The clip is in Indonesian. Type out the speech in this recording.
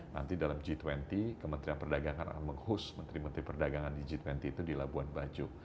nanti dalam g dua puluh kementerian perdagangan akan menghus menteri menteri perdagangan di g dua puluh itu di labuan bajo